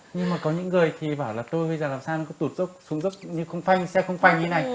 nhưng mà có những người thì bảo là tôi bây giờ làm sao nó có tụt dốc xuống dốc như không phanh xe không phanh như thế này